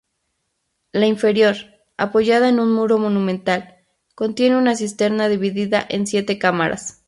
La inferior, apoyada en un muro monumental, contiene una cisterna dividida en siete cámaras.